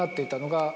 が